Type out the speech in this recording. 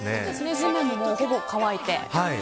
地面もほぼ乾いて。